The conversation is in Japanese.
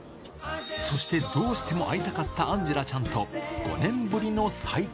そして、どうしても会いたかったアンジェラちゃんと、５年ぶりの再会。